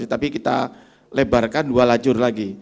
tapi kita lebarkan dua lacur lagi